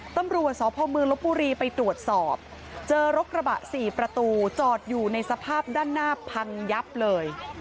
ตำรวจสพมลบบุรีไปตรวจสอบเจอรถกระบะ๔ประตูจอดอยู่ในสภาพด้านหน้าพังยับเลย